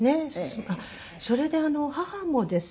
それで母もですね